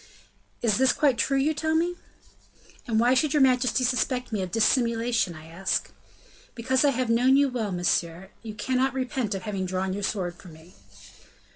"Is this quite true you tell me?" "And why should your majesty suspect me of dissimulation, I ask?" "Because I have known you well, monsieur; you cannot repent of having drawn your sword for me."